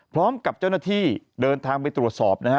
พร้อมกับเจ้าหน้าที่เดินทางไปตรวจสอบนะฮะ